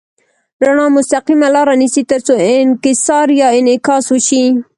رڼا مستقیمه لاره نیسي تر څو انکسار یا انعکاس وشي.